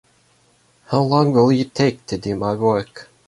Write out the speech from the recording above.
How long will you take to do my work?